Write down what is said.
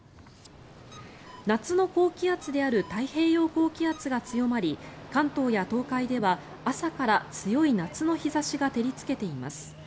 夏の高気圧である太平洋高気圧が強まり関東や東海では朝から強い夏の日差しが照りつけています。